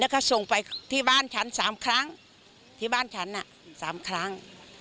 ก็ส่งไปบ้านฉันที่บ้านฉันนะคะ๓ครั้ง